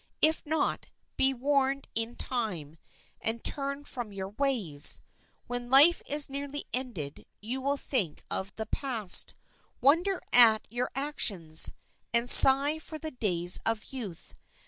If not, be warned in time, and turn from your ways. When life is nearly ended you will think of the past,—wonder at your actions, and sigh for the days of youth.